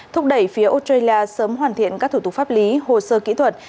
thúc đẩy phía australia sớm hoàn thiện các thủ tục pháp lý hồ sơ kỹ thuật